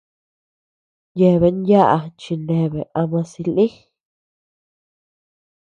Yeabean yaʼa chineabea ama silï.